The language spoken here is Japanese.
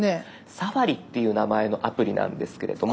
「Ｓａｆａｒｉ」っていう名前のアプリなんですけれども。